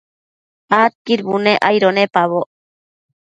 Adquid bunec aido nepaboc